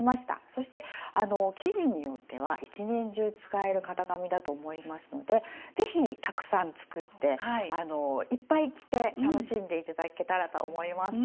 そして生地によっては一年中使える型紙だと思いますので是非たくさん作っていっぱい着て楽しんで頂けたらと思います。